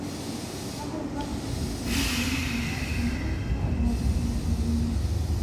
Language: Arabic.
وَعَلَى اللَّهِ قَصْدُ السَّبِيلِ وَمِنْهَا جَائِرٌ وَلَوْ شَاءَ لَهَدَاكُمْ أَجْمَعِينَ